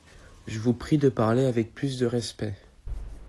Je vous prie de parler avec plus de respect…